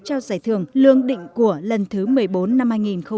trao giải thưởng lương định của lần thứ một mươi bốn năm hai nghìn một mươi chín